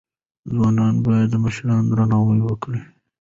ځوانان باید د مشرانو درناوی وکړي.